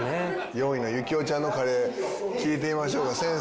４位の行雄ちゃんのカレー聞いてみましょうか先生。